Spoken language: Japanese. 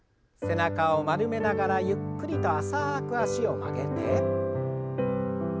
背中を丸めながらゆっくりと浅く脚を曲げて。